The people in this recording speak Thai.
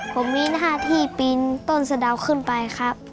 ผมมีหน้าที่ปีนต้นสะดาวขึ้นไปครับ